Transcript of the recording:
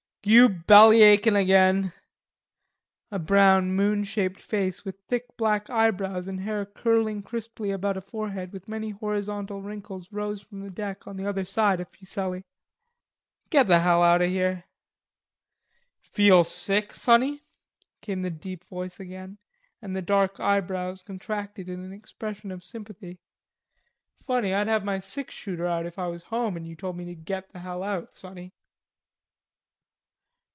"You belly achin' again?" A brown moon shaped face with thick black eyebrows and hair curling crisply about a forehead with many horizontal wrinkles rose from the deck on the other side of Fuselli. "Get the hell out of here." "Feel sick, sonny?" came the deep voice again, and the dark eyebrows contracted in an expression of sympathy. "Funny, I'd have my sixshooter out if I was home and you told me to get the hell out, sonny."